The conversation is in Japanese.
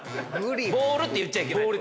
「ボール」って言っちゃいけない。